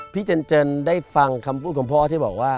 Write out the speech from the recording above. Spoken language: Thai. เจนเจินได้ฟังคำพูดของพ่อที่บอกว่า